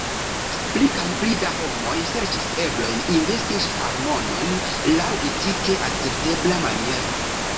Pli kaj pli da homoj serĉas eblojn investi ŝparmonon laŭ etike akceptebla maniero.